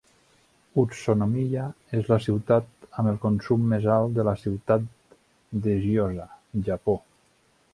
Utsunomiya és la ciutat amb el consum més alt de la ciutat de Gyoza, Japó.